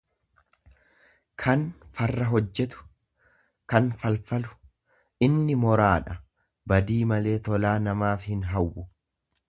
nama farra hojjetu, kan falfalu; Inni moraadha, badii malee tolaa namaaf hinhawwu.